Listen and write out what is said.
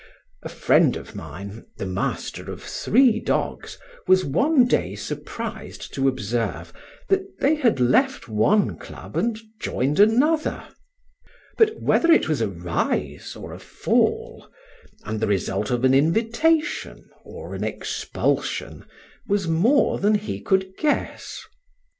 A friend of mine, the master of three dogs, was one day surprised to observe that they had left one club and joined another; but whether it was a rise or a fall, and the result of an invitation or an expulsion, was more than he could guess.